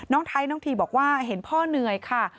ไทยน้องทีบอกว่าเห็นพ่อเหนื่อยค่ะ